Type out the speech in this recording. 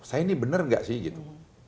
saya ini benar nggak sih gitu